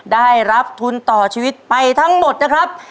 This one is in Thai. ได้รับทุนต่อชีวิตไปทั้งหมดนะครับ